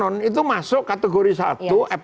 untuk sebuah kategori lain